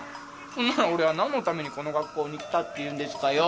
そんなら俺は何のためにこの学校に来たっていうんですかよ？